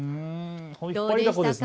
どうでしたか？